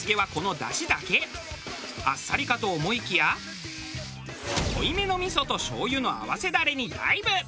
あっさりかと思いきや濃いめの味噌と醤油の合わせダレにダイブ！